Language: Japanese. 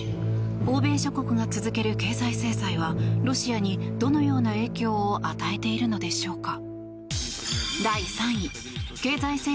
欧米諸国が続ける経済制裁はロシアにどのような影響を与えているのでしょうか。